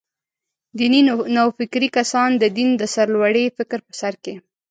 دیني نوفکري کسان «د دین د سرلوړۍ» فکر په سر کې.